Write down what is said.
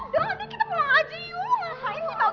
gue tau udah kenapa sih kalo gak suka ya pulang aja